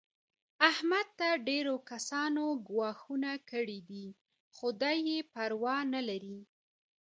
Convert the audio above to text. احمد ته ډېرو کسانو ګواښونه کړي دي. خو دی یې پروا نه لري.